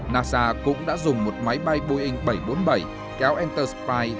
nasa cũng đã dùng một máy bay boeing bảy trăm bốn mươi bảy kéo entersprite